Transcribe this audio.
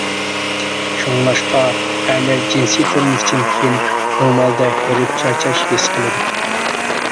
شۇڭلاشقا، ئەرلەر جىنسىي تۇرمۇشتىن كېيىن، نورمالدا ھېرىپ-چارچاش ھېس قىلىدۇ.